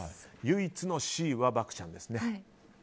唯一のＣは漠ちゃんですね。